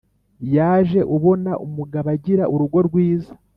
Yaje ubona umugabo agira urugo rwiza